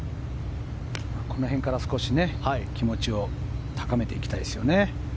この辺から少し気持ちを高めていきたいですね。